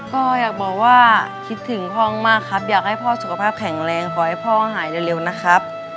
ก็อยากบอกว่าคิดถึงพ่อมากครับอยากให้พ่อสุขภาพแข็งแรงขอให้พ่อหายเร็วนะครับ